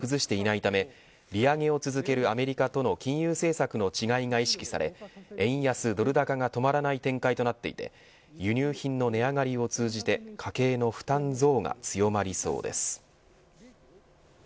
日銀は大規模な金融緩和を続ける姿勢を崩していないため利上げを続けるアメリカとの金融政策の違いが意識され円安ドル高が止まらない展開となっていて輸入品の値上がりを通じて家計の負担増が強まりそうです。